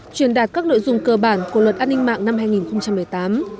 truyền đạt các nội dung cơ bản của luật an ninh mạng năm hai nghìn một mươi tám